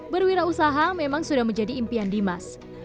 berwirausaha memang sudah menjadi impian dimas